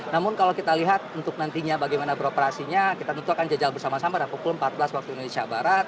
namun kalau kita lihat untuk nantinya bagaimana beroperasinya kita tentu akan jajal bersama sama pada pukul empat belas waktu indonesia barat